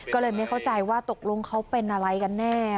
ก็เลยไม่เข้าใจว่าตกลงเขาเป็นอะไรกันแน่